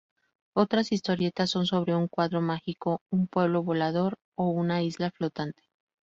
Otras historietas son sobre un cuadro mágico, un pueblo volador o una isla flotante.